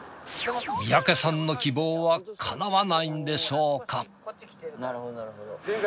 三宅さんの希望はかなわないんでしょうか？